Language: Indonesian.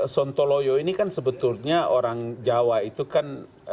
sontoloyo ini kan sebetulnya orang jawa itu kan